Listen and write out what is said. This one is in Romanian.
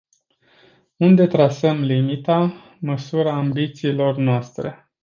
Unde trasăm limita, măsura ambițiilor noastre?